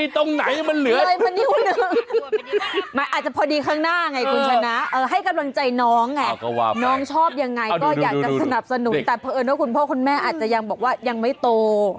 แต่เพราะเอิญว่าของคุณพ่อคุณแม่อาจก็ยังแต่ไม่โต